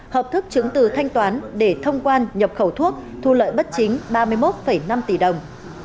hợp thức chứng từ thanh toán để thông quan nhập khẩu thuốc thu lợi bất chính ba mươi một năm tỷ đồng